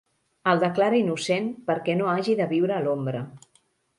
El declara innocent perquè no hagi de viure a l'ombra.